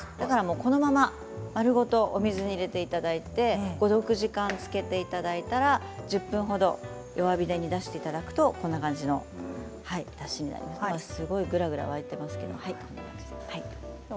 このまま丸ごとお水に入れていただいて５、６時間つけていただいたら１０分程弱火に出していただくとこんな感じの、だしになります。